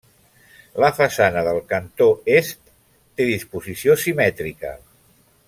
La façana del cantó est té disposició simètrica.